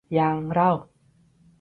อย่างเรา